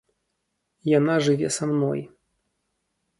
Яна жыве са мной.